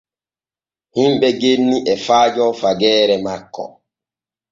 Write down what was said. Himɓe genni e faajo fageere makko.